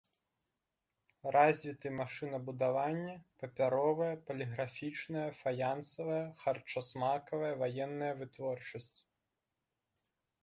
Развіты машынабудаванне, папяровая, паліграфічная, фаянсавая, харчасмакавая, ваенная вытворчасць.